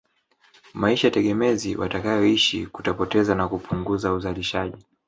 Maisha tegemezi watakayoishi kutapoteza na kupunguza uzalishaji